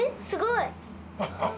すごい。